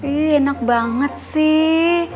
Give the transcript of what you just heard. ih enak banget sih